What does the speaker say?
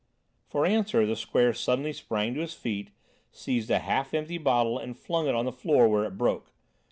For answer, the Square suddenly sprang to his feet, seized a half empty bottle and flung it on the floor, where it broke.